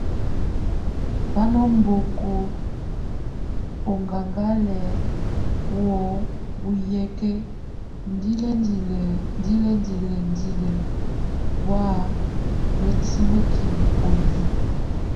Ba nombok oŋgaŋgala wo buyek, ndelindelíndelindelindeli, wa bátinekin o yí.